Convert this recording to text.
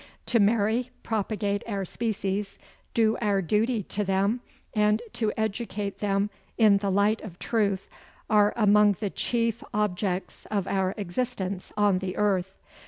To marry, propagate our species, do our duty to them, and to educate them in the light of truth, are among the chief objects of our existence on the earth.